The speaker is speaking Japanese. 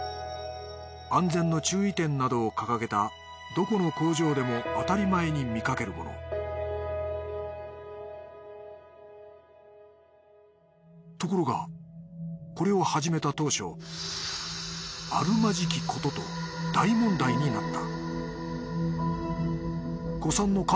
安全の注意点などを掲げたどこの工場でも当たり前に見かけるものところがこれを始めた当初あるまじきことと大問題になった。